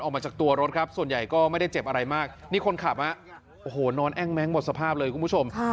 ออกมาจากตัวรถครับส่วนใหญ่ก็ไม่ได้เจ็บอะไรมากนี่คนขับโอ้โหนอนแอ้งแม้งหมดสภาพเลยคุณผู้ชม